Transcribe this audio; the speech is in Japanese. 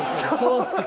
そうですか。